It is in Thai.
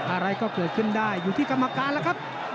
อะไรก็เกิดขึ้นได้อยู่ที่กรรมการแล้วครับ